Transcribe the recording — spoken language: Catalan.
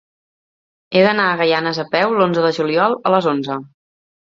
He d'anar a Gaianes a peu l'onze de juliol a les onze.